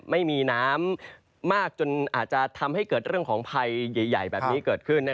ไม่มีน้ำมากจนอาจจะทำให้เกิดเรื่องของภัยใหญ่แบบนี้เกิดขึ้น